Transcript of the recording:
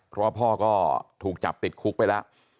เพราะว่าพ่อก็ถูกจับติดคุกไปแล้ว